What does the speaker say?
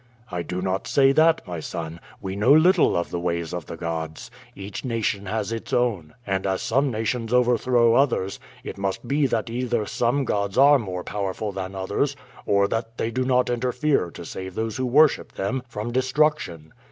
"I do not say that, my son; we know little of the ways of the gods. Each nation has its own, and as some nations overthrow others, it must be that either some gods are more powerful than others or that they do not interfere to save those who worship them from destruction.